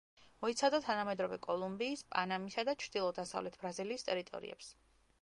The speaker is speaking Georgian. მოიცავდა თანამედროვე კოლუმბიის, პანამისა და ჩრდილო–დასავლეთ ბრაზილიის ტერიტორიებს.